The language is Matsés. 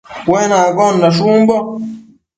Cuenaccondash umbo